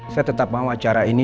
saya tetap mau acara ini